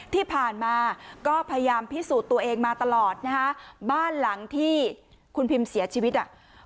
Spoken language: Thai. ที่ผ่านมาก็พยายามพิสูจน์ตัวเองมาตลอดนะฮะบ้านหลังที่คุณพิมเสียชีวิตอ่ะ